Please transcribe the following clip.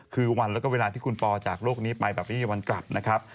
คือวันแล้วก็เวลาที่คุณปอจากโลกนี้ไปแบบไม่มีวันกลับนะครับ